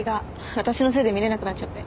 私のせいで見れなくなっちゃって。